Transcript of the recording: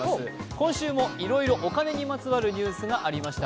今週もいろいろお金にまつわるニュースがありました。